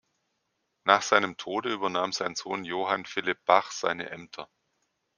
Nach seinem Tode übernahm sein Sohn Johann Philipp Bach seine Ämter.